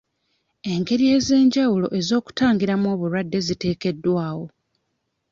Engeri ez'enjawulo ez'okutangiramu obulwadde ziteekeddwawo.